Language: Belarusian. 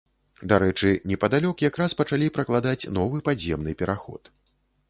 Дарэчы, непадалёк якраз пачалі пракладаць новы падземны пераход.